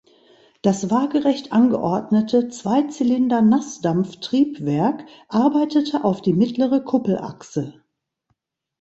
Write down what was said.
Das waagerecht angeordnete Zweizylinder-Naßdampftriebwerk arbeitete auf die mittlere Kuppelachse.